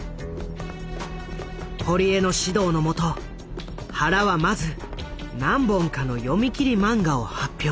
堀江の指導のもと原はまず何本かの読み切り漫画を発表。